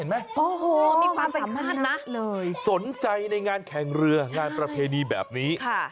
โอ้โหมีความสามารถนะเลยสนใจในงานแข่งเรืองานประเพณีแบบนี้